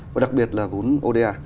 và đặc biệt là vốn oda